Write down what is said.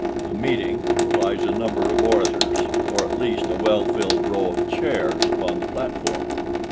A "meeting" implies a number of orators, or at least a well filled row of chairs upon the platform.